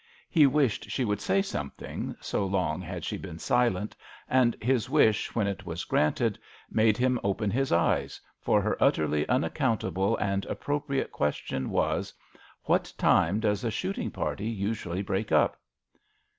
He wished she would say something, so long had she been silent, and his wish, when it was granted, made him open his eyes, for her utterly unaccountable and appropriate question was : "What time does a shooting party usually break up